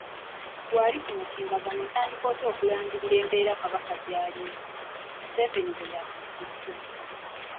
"Ggwe ali ku mutimbagano otandika otya okulangirira embeera Kabaka gy'alimu?" Museveni bwe yabuuzizzza.